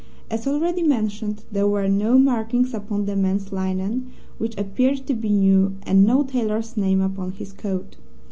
As already mentioned, there were no markings upon the man's linen, which appeared to be new, and no tailor's name upon his coat.